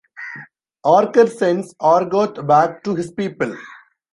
Archer sends Orgoth back to his people.